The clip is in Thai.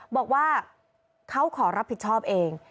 บอกว่าเขาขอรับผิดชอบเอง